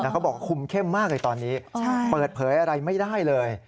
เขาบอกคุมเข้มมากเลยตอนนี้เปิดเผยอะไรไม่ได้เลย